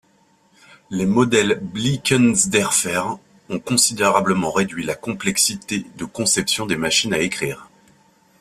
Les modèles Blikensderfer ont considérablement réduit la complexité de conception des machines à écrire.